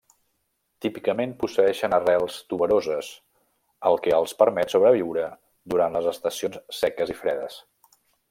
Típicament posseeixen arrels tuberoses, el que els permet sobreviure durant les estacions seques i fredes.